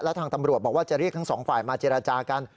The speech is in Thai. และทางตำรวจบอกว่าจะเรียกทั้งสองฝ่ายมาเจรจากัน